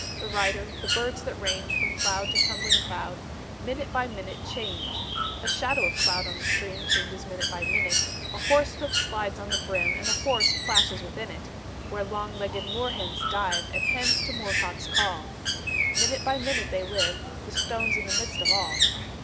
The rider, the birds that range From cloud to tumbling cloud, Minute by minute change; A shadow of cloud on the stream Changes minute by minute; A horse hoof slides on the brim, And a horse plashes within it Where long legged moor hens dive, And hens to moor cocks call. Minute by minute they live: The stone's in the midst of all.